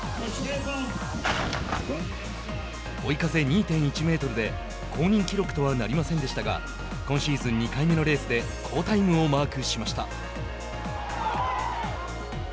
追い風２．１メートルで公認記録とはなりませんでしたが今シーズン２回目のレースで好タイムをマークしました。